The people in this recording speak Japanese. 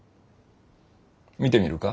見てみるか？